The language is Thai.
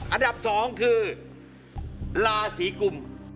อันดับ๒คือราศีกุม